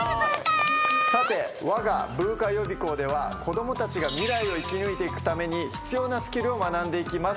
さてわがブーカ予備校では子供たちが未来を生き抜いていくために必要なスキルを学んでいきます。